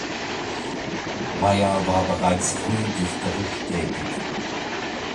Mayer war bereits früh dichterisch tätig.